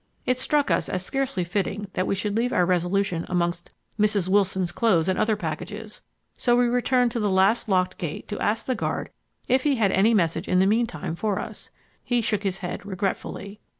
It struck us as scarcely fitting that we should leave our resolutions amongst "Mrs. Wilson's clothes and other packages," so we returned to the last locked gate to ask the guard if he had any message in the meantime for us. He shook his head regretfully.